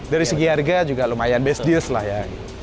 dari segi harga juga lumayan basedeus lah ya